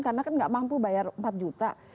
karena kan gak mampu bayar empat juta